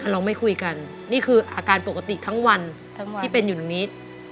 เราไม่คุยกันนี่คืออาการปกติทั้งวันทั้งวันที่เป็นอยู่ตรงนี้